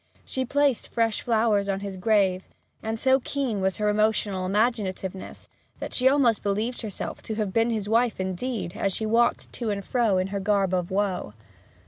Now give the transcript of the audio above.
She placed fresh flowers on his grave, and so keen was her emotional imaginativeness that she almost believed herself to have been his wife indeed as she walked to and fro in her garb of woe.